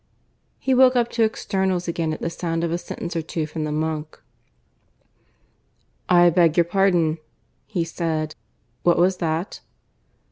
He woke up to externals again at the sound of a sentence or two from the monk. "I beg your pardon," he said. "What was that?"